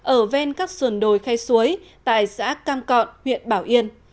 ở ven các sườn đồi khe suối tại xã cam cọn huyện bảo yên